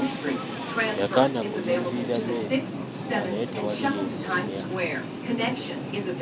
Yakanda kulindirira mmere nga naye tewali yeenyenya.